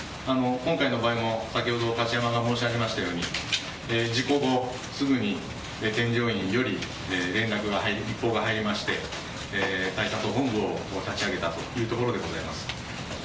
今回の場合も先ほど柏山が申し上げましたように事故後、すぐに添乗員より一報、連絡が入りまして対策本部を立ち上げたというところでございます。